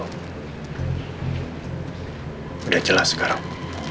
udah jelas sekarang